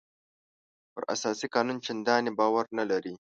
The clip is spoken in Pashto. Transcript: پر اساسي قانون چندانې باور نه لري.